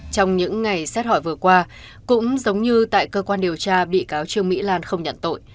trong những ngày xét hỏi vừa qua cũng giống như tại cơ quan điều tra bị cáo trương mỹ lan không nhận tội